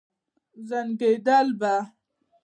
زنګېدل به.